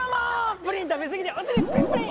プリン食べ過ぎてお尻プリンプリン。